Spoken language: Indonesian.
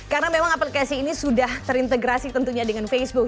karena memang aplikasi ini sudah terintegrasi tentunya dengan facebook